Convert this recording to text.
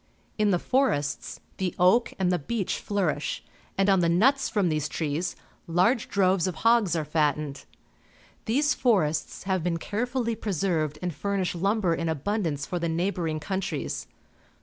In the forests the oak and the beech flourish, and on the nuts from these trees large droves of hogs are fattened. These forests have been carefully preserved and furnish lumber in abundance for the neighbouring countries.